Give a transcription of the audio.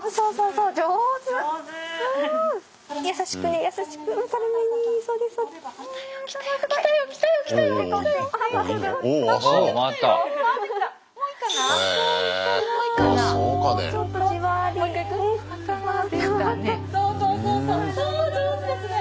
・そう上手ですね！